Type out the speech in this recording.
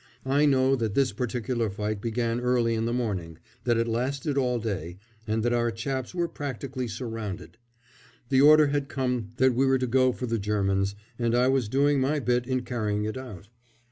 I know that this particular fight began early in the morning, that it lasted all day, and that our chaps were practically surrounded. The order had come that we were to go for the Germans, and I was doing my bit in carrying it out.